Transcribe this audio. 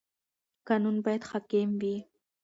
قانون باید حاکم وي.